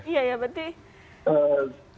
iya ya betul